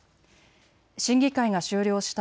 審議会が終了した